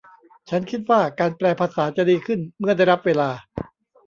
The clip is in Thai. ฉันคิดว่าการแปลภาษาจะดีขึ้นเมื่อได้รับเวลา